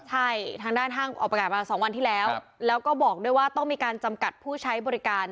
ใช่ทางด้านห้างออกประกาศมา๒วันที่แล้วแล้วก็บอกด้วยว่าต้องมีการจำกัดผู้ใช้บริการ